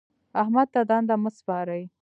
احمد ته دنده مه سپارئ.